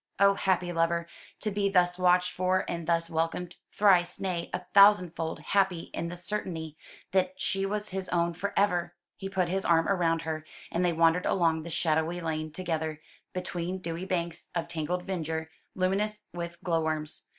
Oh, happy lover, to be thus watched for and thus welcomed; thrice, nay, a thousandfold happy in the certainty that she was his own for ever! He put his arm round her, and they wandered along the shadowy lane together, between dewy banks of tangled verdure, luminous with glow worms.